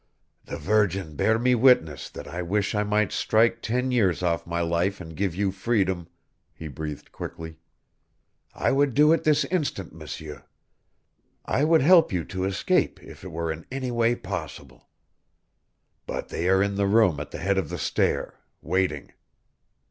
"The Virgin bear me witness that I wish I might strike ten years off my life and give you freedom," he breathed quickly. "I would do it this instant, M'seur. I would help you to escape if it were in any way possible. But they are in the room at the head of the stair waiting.